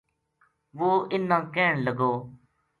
وہ اِنھ نا ْکہن لگو